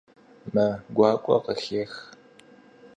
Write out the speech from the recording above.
Мэ гуакӏуэ къыхех.